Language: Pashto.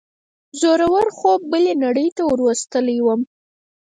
زوره ور خوب بلې نړۍ ته وروستلی وم.